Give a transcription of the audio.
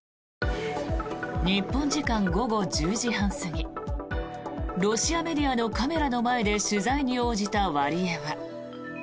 日本時間午後１０時半過ぎロシアメディアのカメラの前で取材に応じたワリエワ。